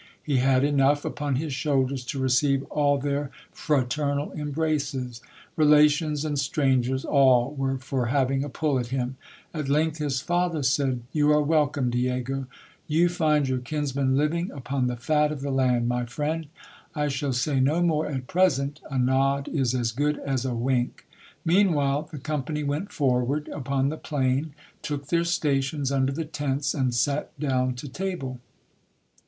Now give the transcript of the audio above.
He had enough upon his shoulders to receive all their fraternal embraces. Relations and strangers all were for having a pull at him. At length his father PERFORMANCE OF SIGNOR THOMAS'S PLA Y. 75 said — You are welcome, Diego. You find your kinsmen living upon the fat of the land, my friend. I shall say no more at present, a nod is as good as a wink. Meanwhile the company went forward upon the plain, took their sta tions under the tents, and sat down to table.